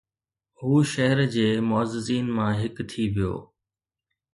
هو شهر جي معززين مان هڪ ٿي ويو